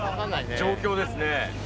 状況ですね。